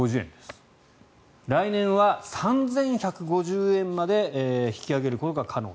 来年は３１５０円まで引き上げることが可能。